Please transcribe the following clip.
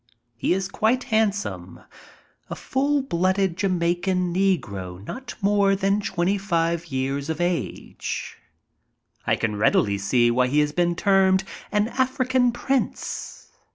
He is quite handsome, a full blooded Jamaican negro not more than twenty five years of age. I can readily see why he has been termed an African prince.